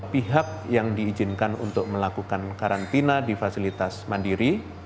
pihak yang diizinkan untuk melakukan karantina di fasilitas mandiri